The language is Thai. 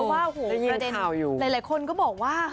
พอว่าประเด็นใกล้คนก็บอกว่ะ